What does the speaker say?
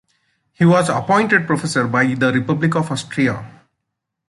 He was appointed Professor by the Republic of Austria.